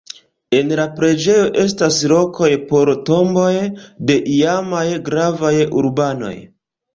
En la preĝejo estas lokoj por tomboj de iamaj gravaj urbanoj.